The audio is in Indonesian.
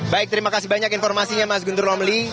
baik terima kasih banyak informasinya mas guntur romli